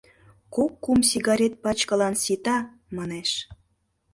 «Кок-кум сигарет пачкылан сита!» — манеш.